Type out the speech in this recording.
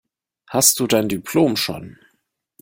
Hast du dein Diplom schon?